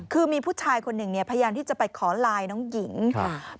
คือมีผู้ชายคนหนึ่งเนี่ยพยายามที่จะไปขอไลน์น้องหญิงค่ะ